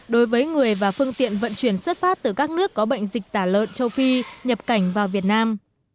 đối với người và phương tiện vận chuyển xuất phát từ các nước có bệnh dịch tả lợn châu phi nhập cảnh vào việt nam